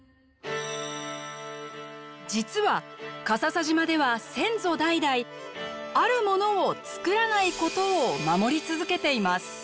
実は笠佐島では先祖代々あるものを作らないことを守り続けています。